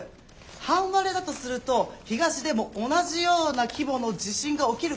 半割れだとすると東でも同じような規模の地震が起きる可能性が高いということでしょうか？